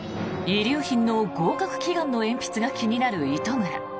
遺留品の合格祈願の鉛筆が気になる糸村。